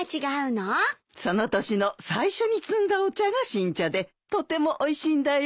その年の最初に摘んだお茶が新茶でとてもおいしいんだよ。